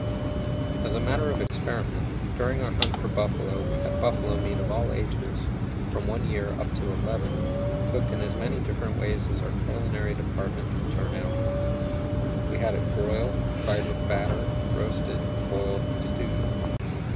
As a matter of experiment, during our hunt for buffalo we had buffalo meat of all ages, from one year up to eleven, cooked in as many different ways as our culinary department could turn out. We had it broiled, fried with batter, roasted, boiled, and stewed.